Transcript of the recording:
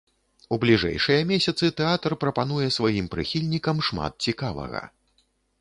У бліжэйшыя месяцы тэатр прапануе сваім прыхільнікам шмат цікавага.